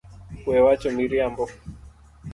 We wacho miriambo.